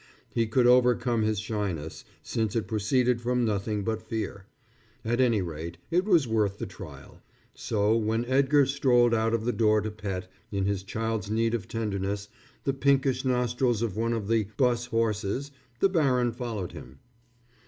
He could overcome his shyness, since it proceeded from nothing but fear. At any rate, it was worth the trial. So when Edgar strolled out of the door to pet, in his child's need of tenderness, the pinkish nostrils of one of the 'bus horses, the baron followed him.